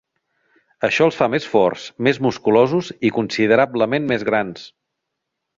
Això els fa més forts, més musculosos i considerablement més grans.